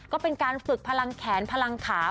ก็เป็นการฝึกพลังแขนพลังขา